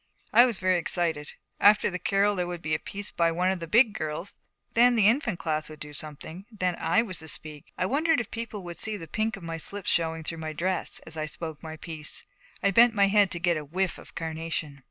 I was very excited. After the carol there would be a piece by one of the Big Girls; then the Infant Class would do something; then I was to speak. I wondered if people would see the pink of my slip showing through my dress as I spoke my piece. I bent my head to get a whiff of carnation.